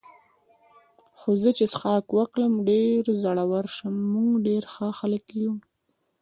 خو زه چې څښاک وکړم ډېر زړور شم، موږ ډېر ښه خلک یو.